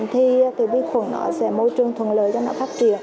bởi vì khi mà mùa nắng nóng thì bệnh khuẩn nó sẽ môi trường thuận lợi cho nó phát triển